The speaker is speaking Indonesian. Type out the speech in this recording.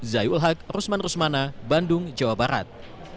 zaiul haq rusman rusmana bandung jawa barat